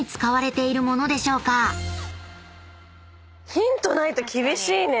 ヒントないと厳しいね。